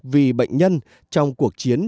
vì bệnh nhân trong cuộc chiến